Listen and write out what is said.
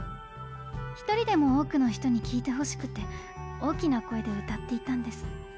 一人でも多くの人にきいてほしくて大きな声で歌っていたんです。